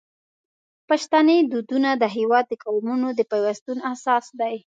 پښتني دودونه د هیواد د قومونو د پیوستون اساس دي.